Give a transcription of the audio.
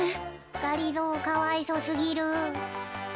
がりぞーかわいそすぎる。